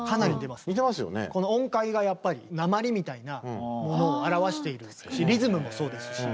この音階がやっぱり「なまり」みたいなものを表しているしリズムもそうですし。